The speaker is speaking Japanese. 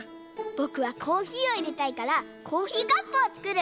ぼくはコーヒーをいれたいからコーヒーカップをつくる！